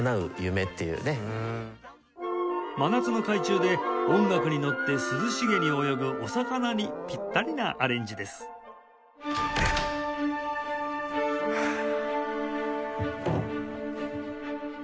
真夏の海中で音楽に乗って涼しげに泳ぐお魚にぴったりなアレンジですわあ！